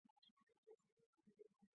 市长是由议员选举得出的。